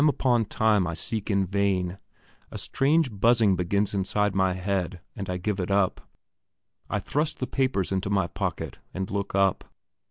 Time upon time I seek in vain; a strange buzzing begins inside my head, and I give it up. I thrust the papers into my pocket, and look up.